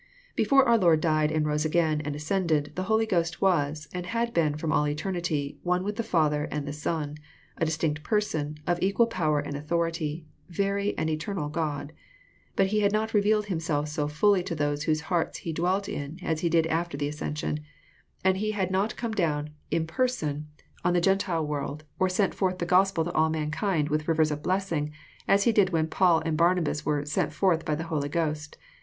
— Before our Lord died and rose again and ascended, the i Holy Ghost was, and had been from all eternity, one with the | Father and the Son, a distinct Person, of equal power and | authority, very and eternal God. But He had not revealed Himself so fully to those whose hearts He dwelt in as He did after the asceusiou ; and He had not come down in person on i JOHN, CHAP. YU. 49 the Gentile world, 0!|L.8entfbrth the Gospel to all mankind with rivers of blessing, asfie did when Paul and Barnabas were *'' sent forth by the Holy Ghost."